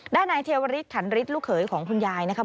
ด้านนายเทวริสขันฤทธิลูกเขยของคุณยายนะครับ